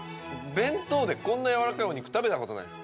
弁当でこんなやわらかいお肉食べたことないです